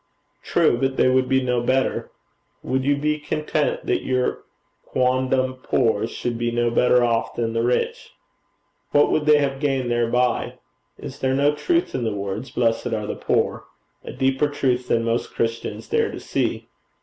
'True; but they would be no better. Would you be content that your quondam poor should be no better off than the rich? What would be gained thereby? Is there no truth in the words "Blessed are the poor"? A deeper truth than most Christians dare to see.